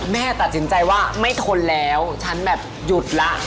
แม่ตัดสินใจว่าไม่ทนแล้วฉันแบบหยุดละ